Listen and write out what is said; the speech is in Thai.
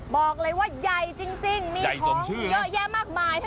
บอกเลยว่าใหญ่จริงมีของเยอะแยะมากมาย